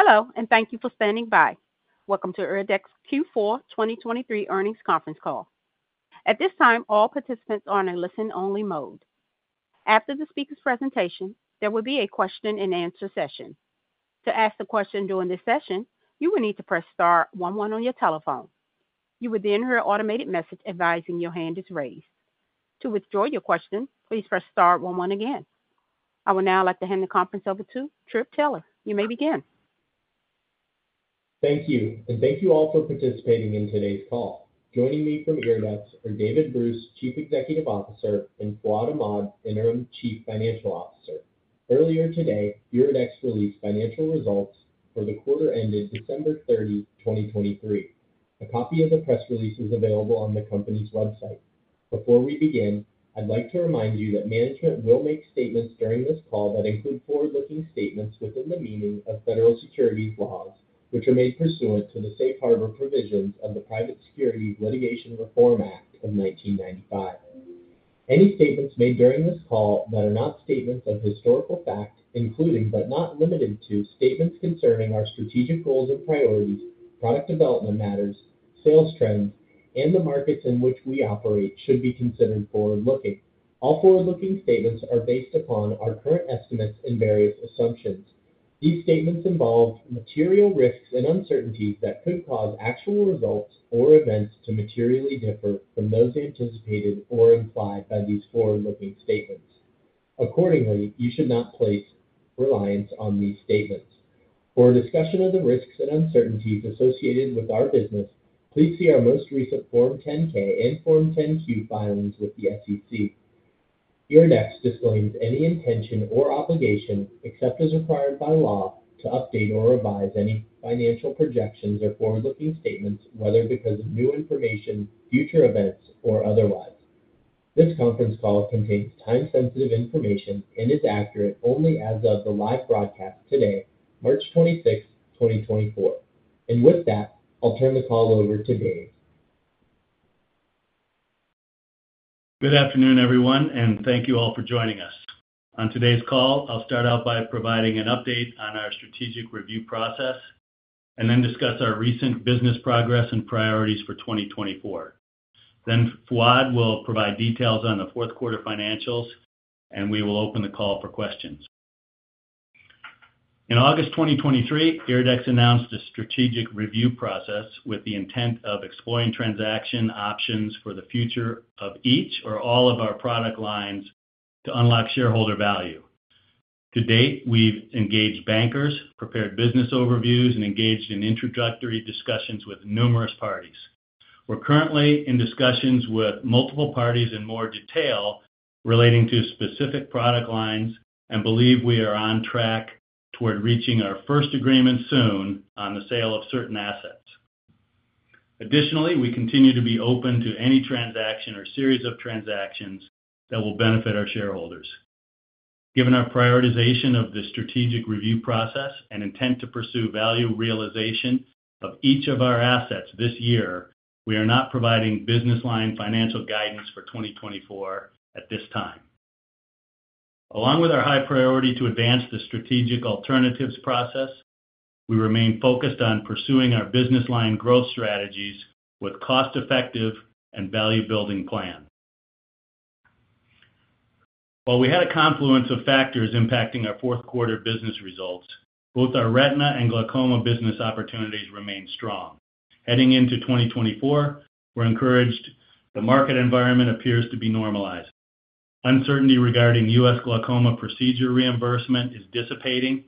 Hello and thank you for standing by. Welcome to IRIDEX Q4 2023 earnings conference call. At this time, all participants are in a listen-only mode. After the speaker's presentation, there will be a question-and-answer session. To ask the question during this session, you will need to press Star 11 on your telephone. You will then hear an automated message advising your hand is raised. To withdraw your question, please press Star 11 again. I would now like to hand the conference over to Trip Taylor. You may begin. Thank you, and thank you all for participating in today's call. Joining me from IRIDEX are David Bruce, Chief Executive Officer, and Fuad Ahmad, Interim Chief Financial Officer. Earlier today, IRIDEX released financial results for the quarter ended December 30, 2023. A copy of the press release is available on the company's website. Before we begin, I'd like to remind you that management will make statements during this call that include forward-looking statements within the meaning of federal securities laws, which are made pursuant to the Safe Harbor provisions of the Private Securities Litigation Reform Act of 1995. Any statements made during this call that are not statements of historical fact, including but not limited to statements concerning our strategic goals and priorities, product development matters, sales trends, and the markets in which we operate should be considered forward-looking. All forward-looking statements are based upon our current estimates and various assumptions. These statements involve material risks and uncertainties that could cause actual results or events to materially differ from those anticipated or implied by these forward-looking statements. Accordingly, you should not place reliance on these statements. For a discussion of the risks and uncertainties associated with our business, please see our most recent Form 10-K and Form 10-Q filings with the SEC. IRIDEX disclaims any intention or obligation, except as required by law, to update or revise any financial projections or forward-looking statements, whether because of new information, future events, or otherwise. This conference call contains time-sensitive information and is accurate only as of the live broadcast today, March 26, 2024. With that, I'll turn the call over to Dave. Good afternoon, everyone, and thank you all for joining us. On today's call, I'll start out by providing an update on our strategic review process and then discuss our recent business progress and priorities for 2024. Then Fuad will provide details on the fourth quarter financials, and we will open the call for questions. In August 2023, IRIDEX announced a strategic review process with the intent of exploring transaction options for the future of each or all of our product lines to unlock shareholder value. To date, we've engaged bankers, prepared business overviews, and engaged in introductory discussions with numerous parties. We're currently in discussions with multiple parties in more detail relating to specific product lines and believe we are on track toward reaching our first agreement soon on the sale of certain assets. Additionally, we continue to be open to any transaction or series of transactions that will benefit our shareholders. Given our prioritization of the strategic review process and intent to pursue value realization of each of our assets this year, we are not providing business line financial guidance for 2024 at this time. Along with our high priority to advance the strategic alternatives process, we remain focused on pursuing our business line growth strategies with cost-effective and value-building plans. While we had a confluence of factors impacting our fourth quarter business results, both our retina and glaucoma business opportunities remain strong. Heading into 2024, we're encouraged the market environment appears to be normalizing. Uncertainty regarding U.S. glaucoma procedure reimbursement is dissipating,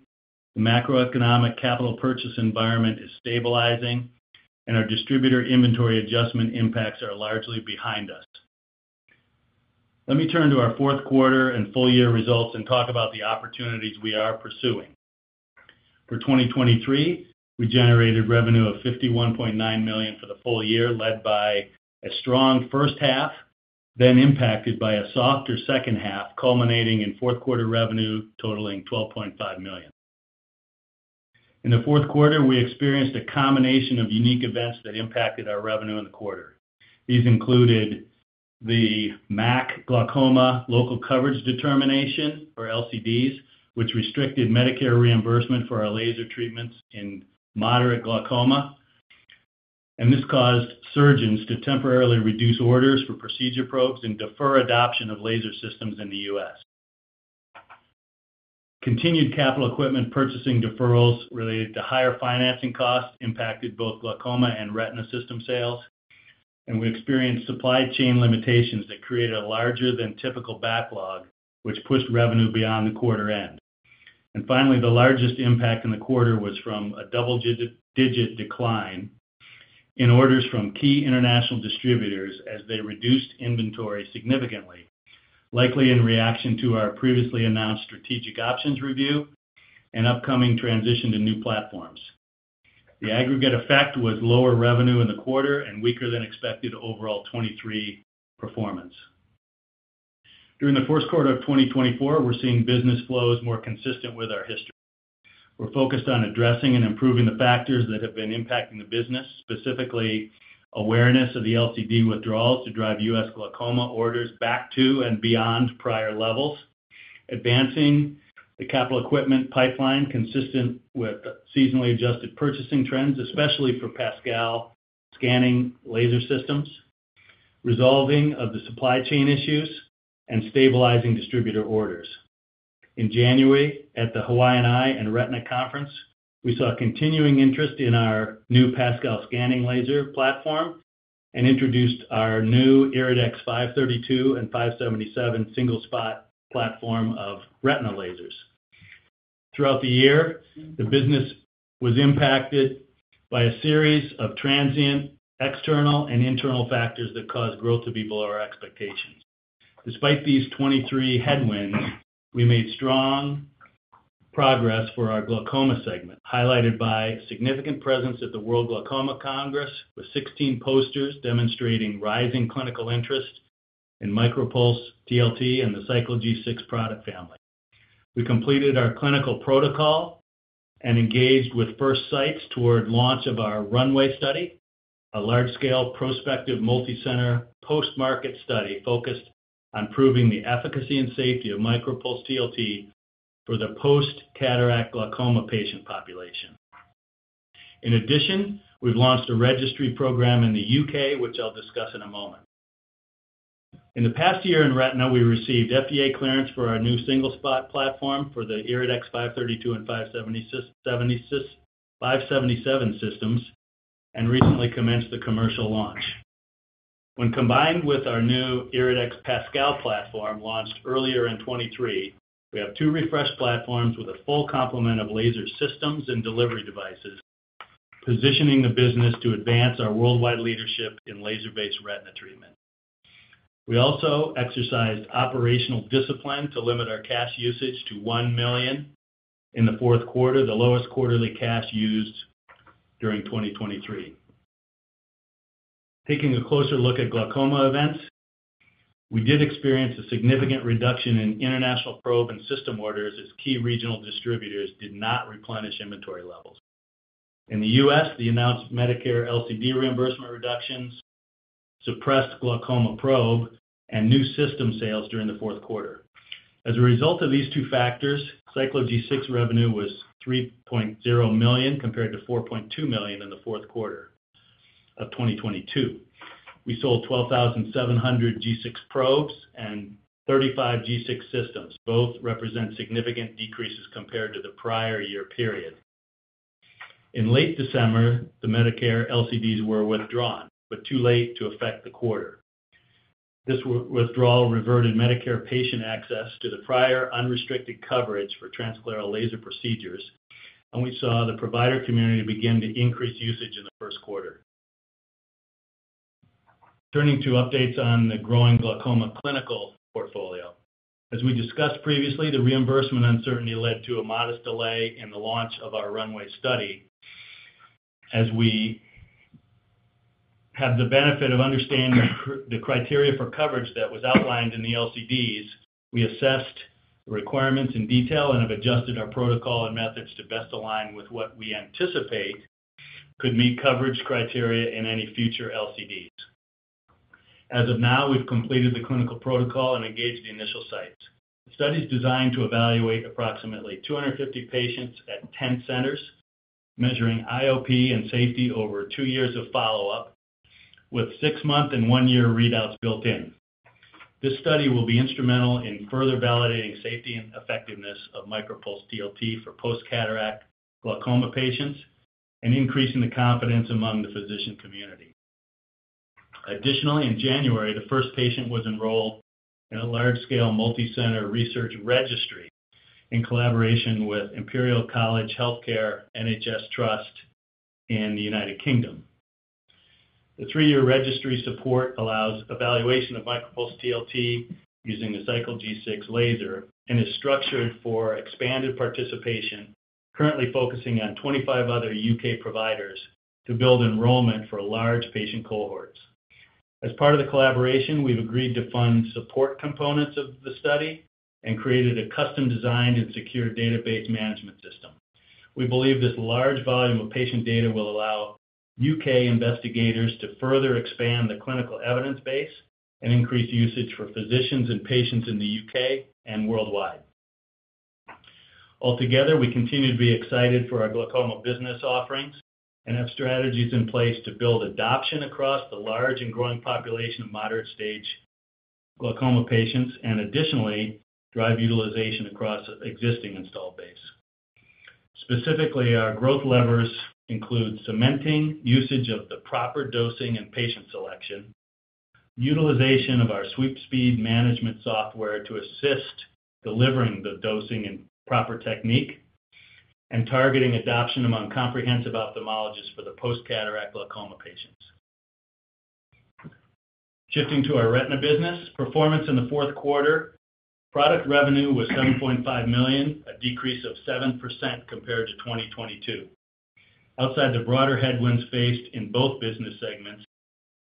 the macroeconomic capital purchase environment is stabilizing, and our distributor inventory adjustment impacts are largely behind us. Let me turn to our fourth quarter and full year results and talk about the opportunities we are pursuing. For 2023, we generated revenue of $51.9 million for the full year, led by a strong first half, then impacted by a softer second half culminating in fourth quarter revenue totaling $12.5 million. In the fourth quarter, we experienced a combination of unique events that impacted our revenue in the quarter. These included the MAC glaucoma local coverage determination, or LCDs, which restricted Medicare reimbursement for our laser treatments in moderate glaucoma, and this caused surgeons to temporarily reduce orders for procedure probes and defer adoption of laser systems in the U.S. Continued capital equipment purchasing deferrals related to higher financing costs impacted both glaucoma and retina system sales, and we experienced supply chain limitations that created a larger than typical backlog, which pushed revenue beyond the quarter end. Finally, the largest impact in the quarter was from a double-digit decline in orders from key international distributors as they reduced inventory significantly, likely in reaction to our previously announced strategic options review and upcoming transition to new platforms. The aggregate effect was lower revenue in the quarter and weaker than expected overall 2023 performance. During the first quarter of 2024, we're seeing business flows more consistent with our history. We're focused on addressing and improving the factors that have been impacting the business, specifically awareness of the LCD withdrawals to drive U.S. glaucoma orders back to and beyond prior levels, advancing the capital equipment pipeline consistent with seasonally adjusted purchasing trends, especially for PASCAL scanning laser systems, resolving of the supply chain issues, and stabilizing distributor orders. In January, at the Hawaiian Eye and Retina Conference, we saw continuing interest in our new PASCAL scanning laser platform and introduced our new IRIDEX 532 and 577 single spot platform of retina lasers. Throughout the year, the business was impacted by a series of transient external and internal factors that caused growth to be below our expectations. Despite these '23 headwinds, we made strong progress for our glaucoma segment, highlighted by significant presence at the World Glaucoma Congress with 16 posters demonstrating rising clinical interest in MicroPulse TLT and the Cyclo G6 product family. We completed our clinical protocol and engaged with first sites toward launch of our Runway Study, a large-scale prospective multicenter post-market study focused on proving the efficacy and safety of MicroPulse TLT for the post-cataract glaucoma patient population. In addition, we've launched a registry program in the UK, which I'll discuss in a moment. In the past year in retina, we received FDA clearance for our new single spot platform for the IRIDEX 532 and 577 systems and recently commenced the commercial launch. When combined with our new IRIDEX PASCAL platform launched earlier in 2023, we have two refreshed platforms with a full complement of laser systems and delivery devices, positioning the business to advance our worldwide leadership in laser-based retina treatment. We also exercised operational discipline to limit our cash usage to $1 million in the fourth quarter, the lowest quarterly cash used during 2023. Taking a closer look at glaucoma events, we did experience a significant reduction in international probe and system orders as key regional distributors did not replenish inventory levels. In the U.S., the announced Medicare LCD reimbursement reductions suppressed glaucoma probe and new system sales during the fourth quarter. As a result of these two factors, Cyclo G6 revenue was $3.0 million compared to $4.2 million in the fourth quarter of 2022. We sold 12,700 G6 probes and 35 G6 systems, both representing significant decreases compared to the prior year period. In late December, the Medicare LCDs were withdrawn, but too late to affect the quarter. This withdrawal reverted Medicare patient access to the prior unrestricted coverage for transscleral laser procedures, and we saw the provider community begin to increase usage in the first quarter. Turning to updates on the growing glaucoma clinical portfolio. As we discussed previously, the reimbursement uncertainty led to a modest delay in the launch of our Runway Study. As we have the benefit of understanding the criteria for coverage that was outlined in the LCDs, we assessed the requirements in detail and have adjusted our protocol and methods to best align with what we anticipate could meet coverage criteria in any future LCDs. As of now, we've completed the clinical protocol and engaged the initial sites. The study is designed to evaluate approximately 250 patients at 10 centers, measuring IOP and safety over two years of follow-up with six-month and one-year readouts built in. This study will be instrumental in further validating safety and effectiveness of MicroPulse TLT for post-cataract glaucoma patients and increasing the confidence among the physician community. Additionally, in January, the first patient was enrolled in a large-scale multicenter research registry in collaboration with Imperial College Healthcare NHS Trust in the United Kingdom. The three-year registry support allows evaluation of MicroPulse TLT using the Cyclo G6 laser and is structured for expanded participation, currently focusing on 25 other UK providers to build enrollment for large patient cohorts. As part of the collaboration, we've agreed to fund support components of the study and created a custom-designed and secure database management system. We believe this large volume of patient data will allow UK investigators to further expand the clinical evidence base and increase usage for physicians and patients in the UK and worldwide. Altogether, we continue to be excited for our glaucoma business offerings and have strategies in place to build adoption across the large and growing population of moderate-stage glaucoma patients and additionally drive utilization across existing installed base. Specifically, our growth levers include cementing, usage of the proper dosing and patient selection, utilization of our Sweep Speed Management Software to assist delivering the dosing and proper technique, and targeting adoption among comprehensive ophthalmologists for the post-cataract glaucoma patients. Shifting to our retina business, performance in the fourth quarter. Product revenue was $7.5 million, a decrease of 7% compared to 2022. Outside the broader headwinds faced in both business segments,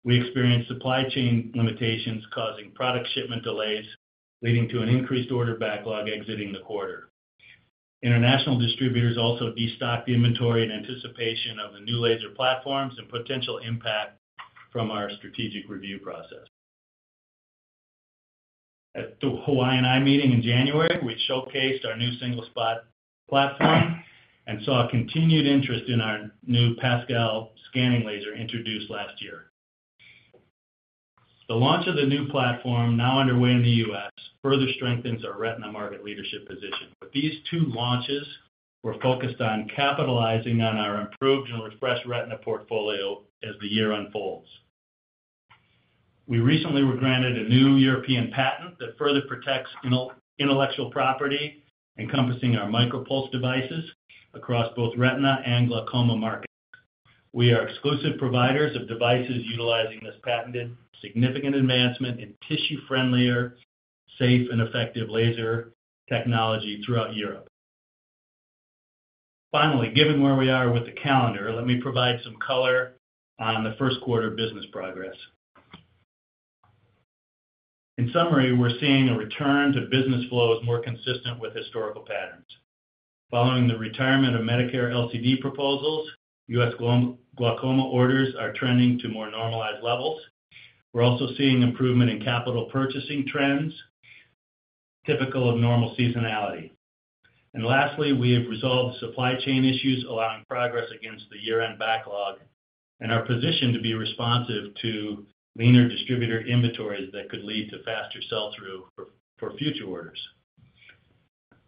we experienced supply chain limitations causing product shipment delays, leading to an increased order backlog exiting the quarter. International distributors also destocked inventory in anticipation of the new laser platforms and potential impact from our strategic review process. At the Hawaiian Eye meeting in January, we showcased our new single spot platform and saw continued interest in our new PASCAL scanning laser introduced last year. The launch of the new platform, now underway in the U.S., further strengthens our retina market leadership position. With these two launches, we're focused on capitalizing on our improved and refreshed retina portfolio as the year unfolds. We recently were granted a new European patent that further protects intellectual property encompassing our MicroPulse devices across both retina and glaucoma markets. We are exclusive providers of devices utilizing this patented significant advancement in tissue-friendlier, safe, and effective laser technology throughout Europe. Finally, given where we are with the calendar, let me provide some color on the first quarter business progress. In summary, we're seeing a return to business flows more consistent with historical patterns. Following the retirement of Medicare LCD proposals, U.S. glaucoma orders are trending to more normalized levels. We're also seeing improvement in capital purchasing trends, typical of normal seasonality. And lastly, we have resolved supply chain issues, allowing progress against the year-end backlog and our position to be responsive to leaner distributor inventories that could lead to faster sell-through for future orders.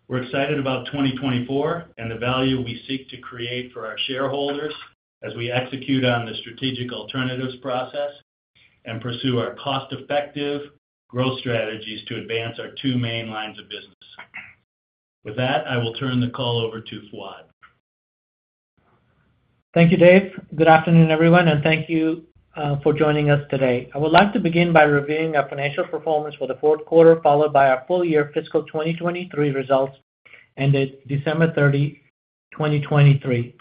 We're excited about 2024 and the value we seek to create for our shareholders as we execute on the strategic alternatives process and pursue our cost-effective growth strategies to advance our two main lines of business. With that, I will turn the call over to Fuad. Thank you, Dave. Good afternoon, everyone, and thank you for joining us today. I would like to begin by reviewing our financial performance for the fourth quarter, followed by our full year fiscal 2023 results ended December 30, 2023.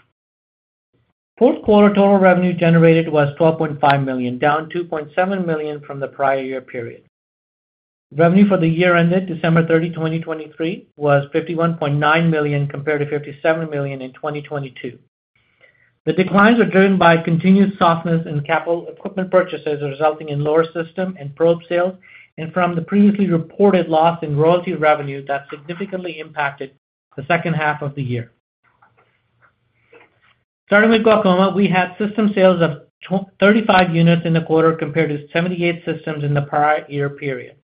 Fourth quarter total revenue generated was $12.5 million, down $2.7 million from the prior year period. Revenue for the year ended December 30, 2023, was $51.9 million compared to $57 million in 2022. The declines were driven by continued softness in capital equipment purchases resulting in lower system and probe sales, and from the previously reported loss in royalty revenue that significantly impacted the second half of the year. Starting with glaucoma, we had system sales of 35 units in the quarter compared to 78 systems in the prior year period.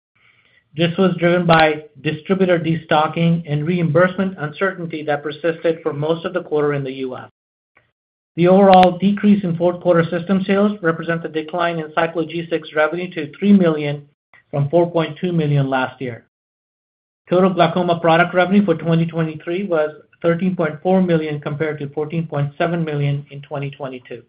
This was driven by distributor destocking and reimbursement uncertainty that persisted for most of the quarter in the U.S. The overall decrease in fourth quarter system sales represents a decline in Cyclo G6 revenue to $3 million from $4.2 million last year. Total glaucoma product revenue for 2023 was $13.4 million compared to $14.7 million in 2022.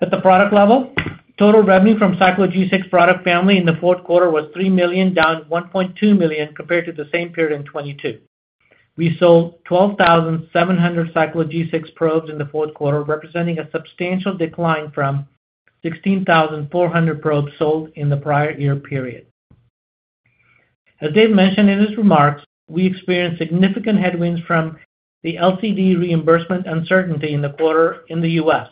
At the product level, total revenue from Cyclo G6 product family in the fourth quarter was $3 million, down $1.2 million compared to the same period in 2022. We sold 12,700 Cyclo G6 probes in the fourth quarter, representing a substantial decline from 16,400 probes sold in the prior year period. As Dave mentioned in his remarks, we experienced significant headwinds from the LCD reimbursement uncertainty in the quarter in the U.S.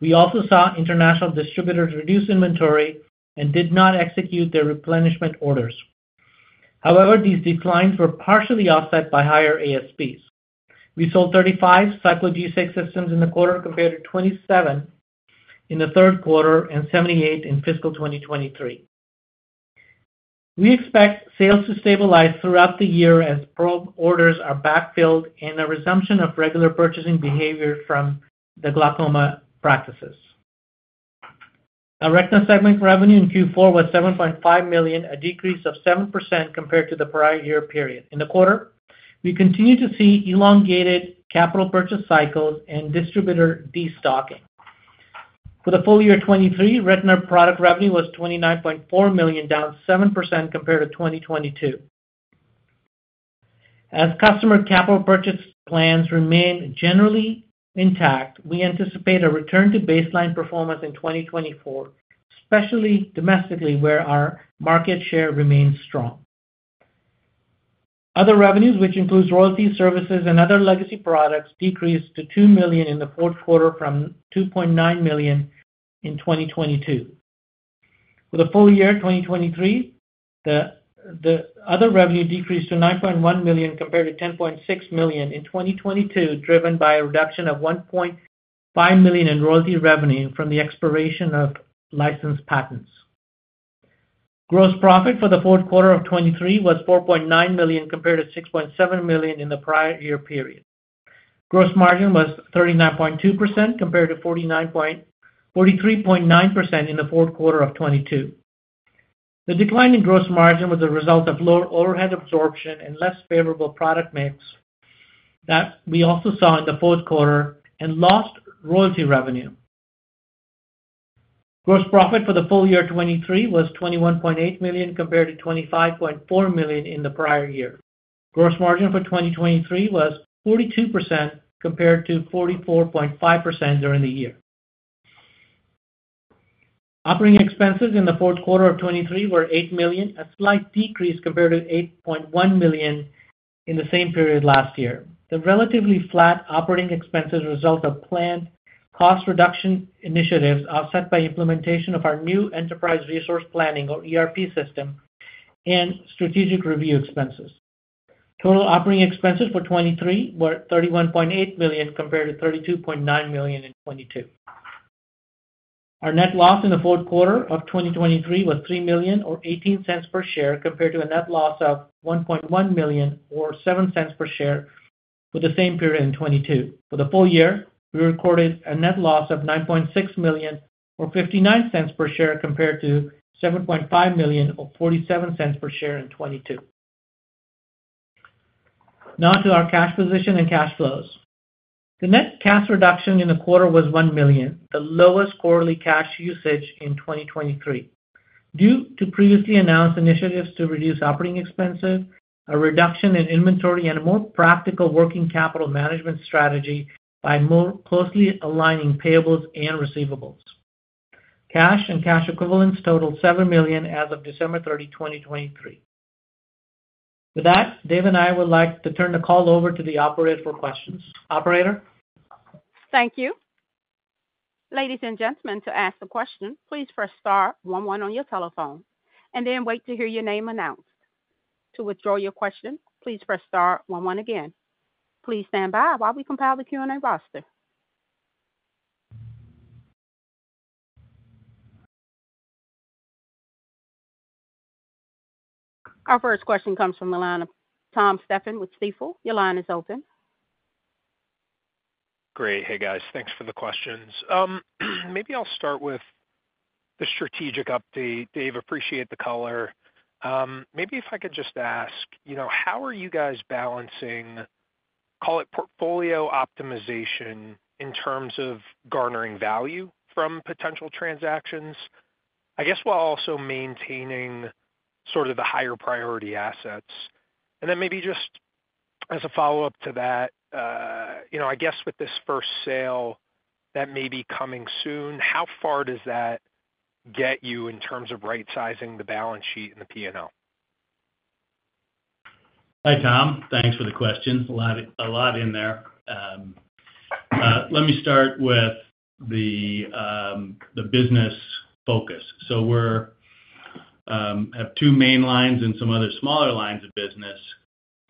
We also saw international distributors reduce inventory and did not execute their replenishment orders. However, these declines were partially offset by higher ASPs. We sold 35 Cyclo G6 systems in the quarter compared to 27 in the third quarter and 78 in fiscal 2023. We expect sales to stabilize throughout the year as probe orders are backfilled and a resumption of regular purchasing behavior from the glaucoma practices. Our retina segment revenue in Q4 was $7.5 million, a decrease of 7% compared to the prior year period. In the quarter, we continue to see elongated capital purchase cycles and distributor destocking. For the full year 2023, retina product revenue was $29.4 million, down 7% compared to 2022. As customer capital purchase plans remain generally intact, we anticipate a return to baseline performance in 2024, especially domestically where our market share remains strong. Other revenues, which includes royalties, services, and other legacy products, decreased to $2 million in the fourth quarter from $2.9 million in 2022. For the full year 2023, the other revenue decreased to $9.1 million compared to $10.6 million in 2022, driven by a reduction of $1.5 million in royalty revenue from the expiration of licensed patents. Gross profit for the fourth quarter of 2023 was $4.9 million compared to $6.7 million in the prior year period. Gross margin was 39.2% compared to 43.9% in the fourth quarter of 2022. The decline in gross margin was a result of lower overhead absorption and less favorable product mix that we also saw in the fourth quarter and lost royalty revenue. Gross profit for the full year 2023 was $21.8 million compared to $25.4 million in the prior year. Gross margin for 2023 was 42% compared to 44.5% during the year. Operating expenses in the fourth quarter of 2023 were $8 million, a slight decrease compared to $8.1 million in the same period last year. The relatively flat operating expenses result of planned cost reduction initiatives offset by implementation of our new enterprise resource planning, or ERP, system and strategic review expenses. Total operating expenses for 2023 were $31.8 million compared to $32.9 million in 2022. Our net loss in the fourth quarter of 2023 was $3 million, or $0.18 per share, compared to a net loss of $1.1 million, or $0.07 per share, for the same period in 2022. For the full year, we recorded a net loss of $9.6 million, or $0.59 per share, compared to $7.5 million, or $0.47 per share in 2022. Now to our cash position and cash flows. The net cash reduction in the quarter was $1 million, the lowest quarterly cash usage in 2023. Due to previously announced initiatives to reduce operating expenses, a reduction in inventory, and a more practical working capital management strategy by more closely aligning payables and receivables, cash and cash equivalents totaled $7 million as of December 30, 2023. With that, Dave and I would like to turn the call over to the operator for questions. Operator? Thank you. Ladies and gentlemen, to ask a question, please press star 11 on your telephone and then wait to hear your name announced. To withdraw your question, please press star 11 again. Please stand by while we compile the Q&A roster. Our first question comes from Thomas Stephan with Stifel. Your line is open. Great. Hey, guys. Thanks for the questions. Maybe I'll start with the strategic update. Dave, appreciate the color. Maybe if I could just ask, how are you guys balancing, call it, portfolio optimization in terms of garnering value from potential transactions, I guess, while also maintaining sort of the higher priority assets? Then maybe just as a follow-up to that, I guess, with this first sale that may be coming soon, how far does that get you in terms of right-sizing the balance sheet and the P&L? Hi, Tom. Thanks for the questions. A lot in there. Let me start with the business focus. So we have two main lines and some other smaller lines of business.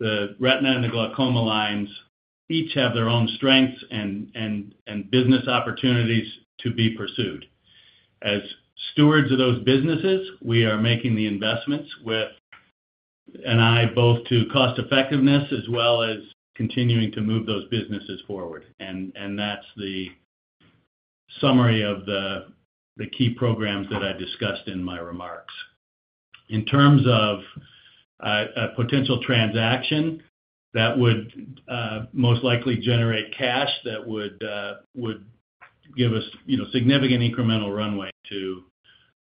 The retina and the glaucoma lines each have their own strengths and business opportunities to be pursued. As stewards of those businesses, we are making the investments with an eye both to cost-effectiveness as well as continuing to move those businesses forward. That's the summary of the key programs that I discussed in my remarks. In terms of a potential transaction that would most likely generate cash that would give us significant incremental runway to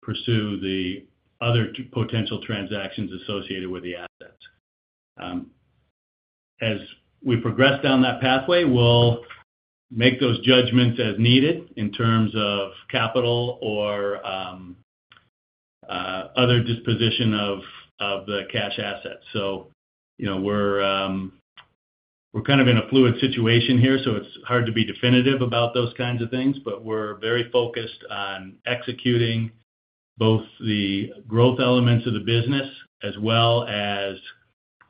pursue the other potential transactions associated with the assets. As we progress down that pathway, we'll make those judgments as needed in terms of capital or other disposition of the cash assets. So we're kind of in a fluid situation here, so it's hard to be definitive about those kinds of things. But we're very focused on executing both the growth elements of the business as well as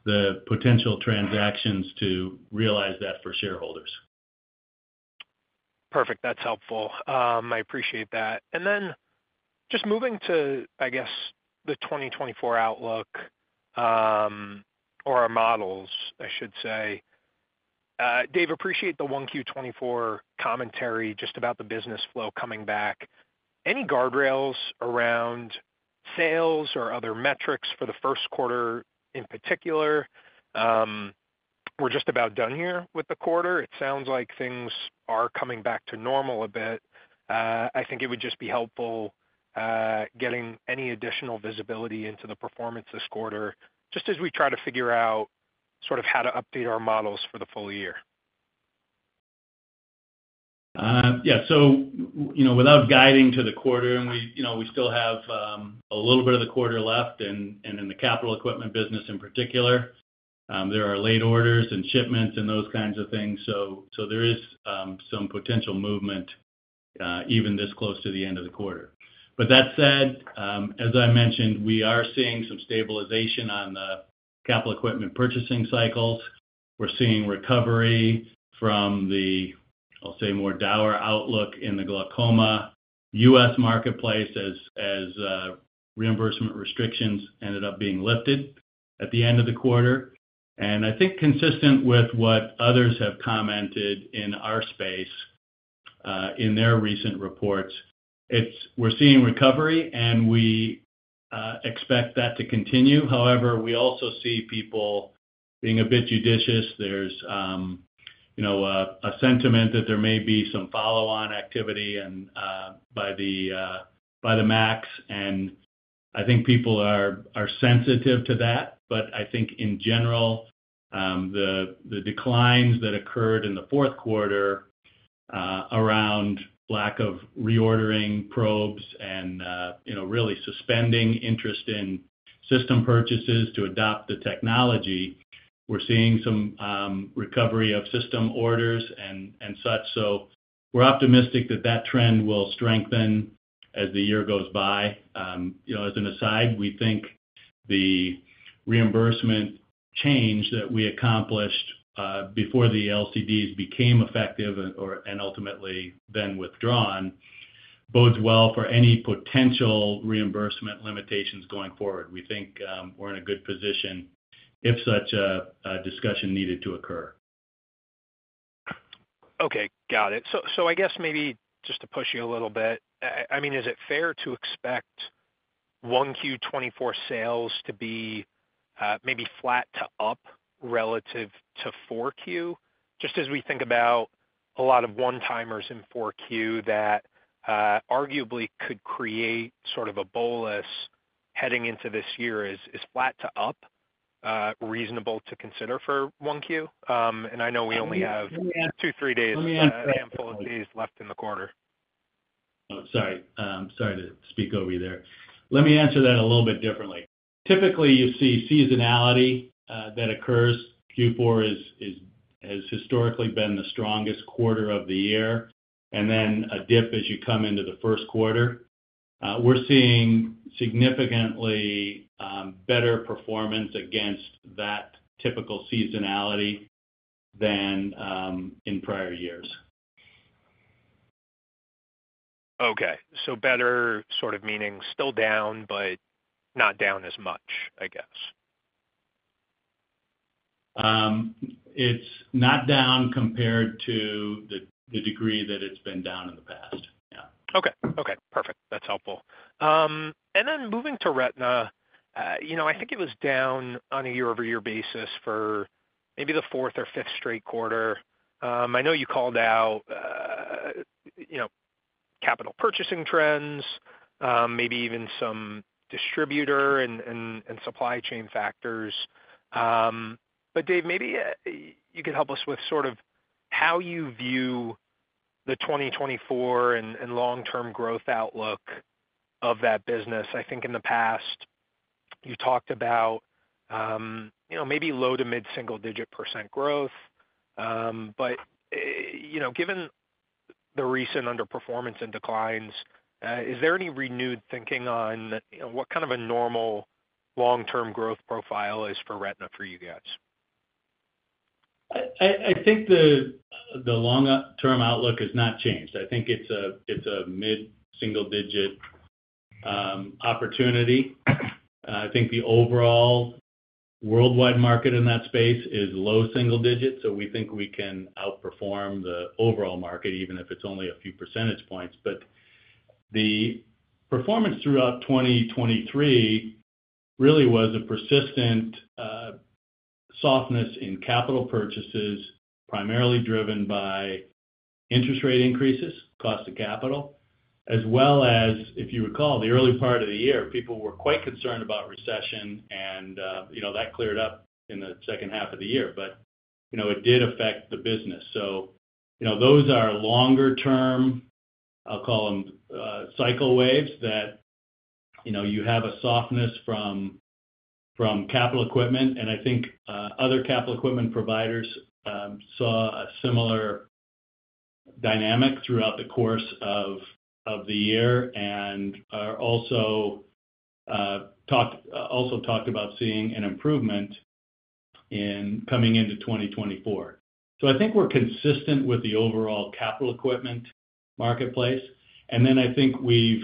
the potential transactions to realize that for shareholders. Perfect. That's helpful. I appreciate that. And then just moving to, I guess, the 2024 outlook or our models, I should say. Dave, appreciate the 1Q24 commentary just about the business flow coming back. Any guardrails around sales or other metrics for the first quarter in particular? We're just about done here with the quarter. It sounds like things are coming back to normal a bit. I think it would just be helpful getting any additional visibility into the performance this quarter just as we try to figure out sort of how to update our models for the full year. Yeah. So, without guiding to the quarter and we still have a little bit of the quarter left and in the capital equipment business in particular, there are late orders and shipments and those kinds of things. So there is some potential movement even this close to the end of the quarter. But that said, as I mentioned, we are seeing some stabilization on the capital equipment purchasing cycles. We're seeing recovery from the, I'll say, more dour outlook in the glaucoma U.S. marketplace as reimbursement restrictions ended up being lifted at the end of the quarter. And I think consistent with what others have commented in our space in their recent reports, we're seeing recovery, and we expect that to continue. However, we also see people being a bit judicious. There's a sentiment that there may be some follow-on activity by the MACs, and I think people are sensitive to that. But I think, in general, the declines that occurred in the fourth quarter around lack of reordering probes and really suspending interest in system purchases to adopt the technology, we're seeing some recovery of system orders and such. So we're optimistic that that trend will strengthen as the year goes by. As an aside, we think the reimbursement change that we accomplished before the LCDs became effective and ultimately then withdrawn bodes well for any potential reimbursement limitations going forward. We think we're in a good position if such a discussion needed to occur. Okay. Got it. So I guess maybe just to push you a little bit, I mean, is it fair to expect 1Q24 sales to be maybe flat to up relative to 4Q? Just as we think about a lot of one-timers in 4Q that arguably could create sort of a bolus heading into this year, is flat to up reasonable to consider for 1Q? And I know we only have two, three days a handful of days left in the quarter. Sorry to speak over you there. Let me answer that a little bit differently. Typically, you see seasonality that occurs. Q4 has historically been the strongest quarter of the year, and then a dip as you come into the first quarter. We're seeing significantly better performance against that typical seasonality than in prior years. Okay. So better sort of meaning still down but not down as much, I guess? It's not down compared to the degree that it's been down in the past. Yeah. Okay. Okay. Perfect. That's helpful. And then moving to retina, I think it was down on a year-over-year basis for maybe the fourth or fifth straight quarter. I know you called out capital purchasing trends, maybe even some distributor and supply chain factors. But, Dave, maybe you could help us with sort of how you view the 2024 and long-term growth outlook of that business. I think in the past, you talked about maybe low- to mid-single-digit % growth. But given the recent underperformance and declines, is there any renewed thinking on what kind of a normal long-term growth profile is for retina for you guys? I think the long-term outlook has not changed. I think it's a mid-single-digit opportunity. I think the overall worldwide market in that space is low single digits, so we think we can outperform the overall market even if it's only a few percentage points. But the performance throughout 2023 really was a persistent softness in capital purchases, primarily driven by interest rate increases, cost of capital, as well as, if you recall, the early part of the year, people were quite concerned about recession, and that cleared up in the second half of the year. But it did affect the business. So those are longer-term - I'll call them - cycle waves that you have a softness from capital equipment. And I think other capital equipment providers saw a similar dynamic throughout the course of the year and also talked about seeing an improvement in coming into 2024. So I think we're consistent with the overall capital equipment marketplace. And then I think we've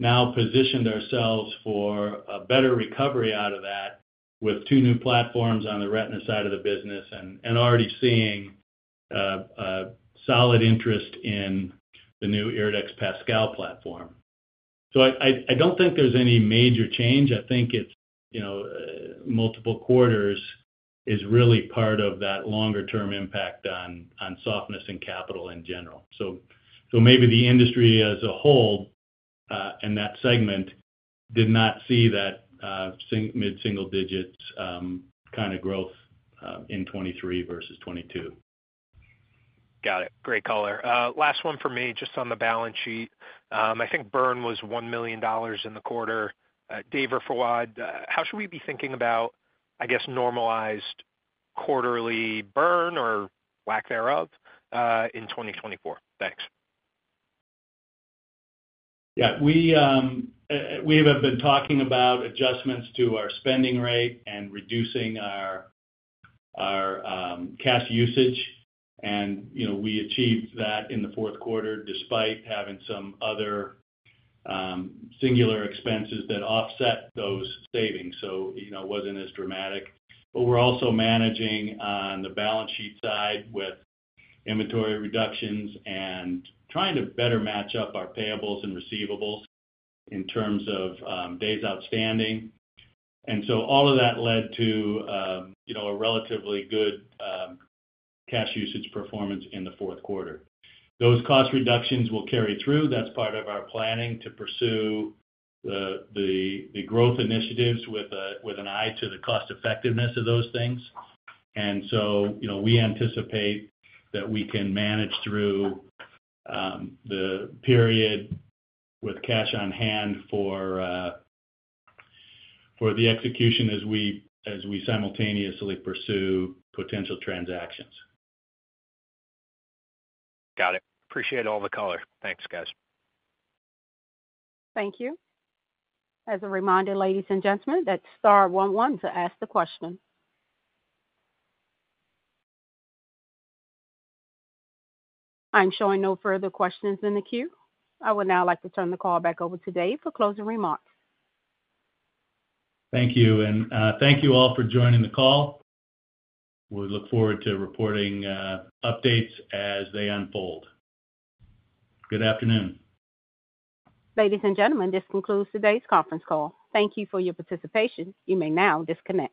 now positioned ourselves for a better recovery out of that with two new platforms on the retina side of the business and already seeing solid interest in the new IRIDEX PASCAL platform. So I don't think there's any major change. I think it's multiple quarters is really part of that longer-term impact on softness in capital in general. So maybe the industry as a whole in that segment did not see that mid-single digits kind of growth in 2023 versus 2022. Got it. Great color. Last one for me just on the balance sheet. I think burn was $1 million in the quarter. Dave or Fuad, how should we be thinking about, I guess, normalized quarterly burn or lack thereof in 2024? Thanks. Yeah. We have been talking about adjustments to our spending rate and reducing our cash usage. We achieved that in the fourth quarter despite having some other singular expenses that offset those savings. It wasn't as dramatic. We're also managing on the balance sheet side with inventory reductions and trying to better match up our payables and receivables in terms of days outstanding. All of that led to a relatively good cash usage performance in the fourth quarter. Those cost reductions will carry through. That's part of our planning to pursue the growth initiatives with an eye to the cost-effectiveness of those things. We anticipate that we can manage through the period with cash on hand for the execution as we simultaneously pursue potential transactions. Got it. Appreciate all the color. Thanks, guys. Thank you. As a reminder, ladies and gentlemen, that's star 11 to ask the question. I'm showing no further questions in the queue. I would now like to turn the call back over to Dave for closing remarks. Thank you. Thank you all for joining the call. We look forward to reporting updates as they unfold. Good afternoon. Ladies and gentlemen, this concludes today's conference call. Thank you for your participation. You may now disconnect.